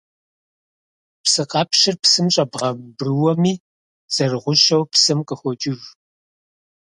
Псыкъэпщыр псым щӀэбгъэмбрыуэми, зэрыгъущэу псым къыхокӀыж.